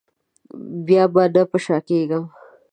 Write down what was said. بیا به نه په شا کېږم.